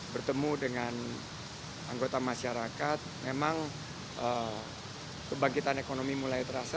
bertemu dengan anggota masyarakat memang kebangkitan ekonomi mulai terasa